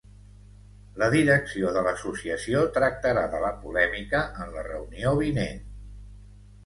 La direcció de l’associació tractarà de la polèmica en la reunió vinent.